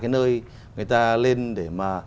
nơi người ta lên để mà